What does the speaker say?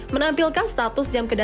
menampilkan status jam kemarin